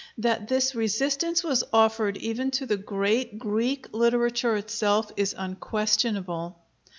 That this resistance was offered even to the great Greek literature itself, is unquestionable.